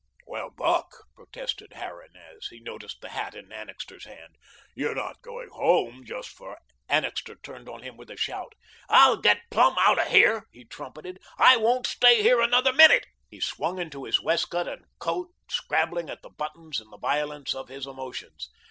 "Well, Buck," protested Harran, as he noticed the hat in Annixter's hand, "you're not going home just for " Annixter turned on him with a shout. "I'll get plumb out of here," he trumpeted. "I won't stay here another minute." He swung into his waistcoat and coat, scrabbling at the buttons in the violence of his emotions.